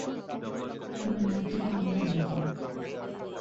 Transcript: তুমি না গেলে আমিও যাবো না।